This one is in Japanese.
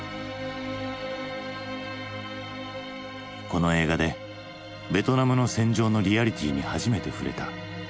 この映画でベトナムの戦場のリアリティーに初めてふれた。